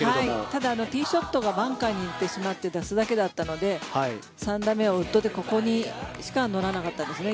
ただ、ティーショットがバンカーに行ってしまって出すだけだったので３打目をウッドでここにしか乗らなかったですね。